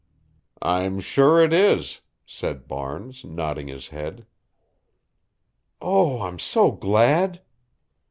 "I'm sure it is," said Barnes, nodding his head. "Oh, I'm so glad."